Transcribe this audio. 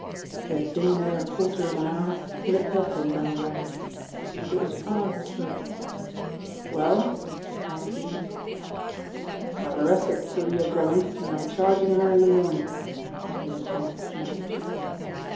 They had been there a quarter of an hour when the telephone bell rang. It was Parr who spoke. "Well?" asked Yale. "I've arrested Thalia Drummond, and I am charging her in the morning," was the laconic message.